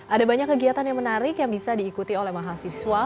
ada banyak kegiatan yang menarik yang bisa diikuti oleh mahasiswa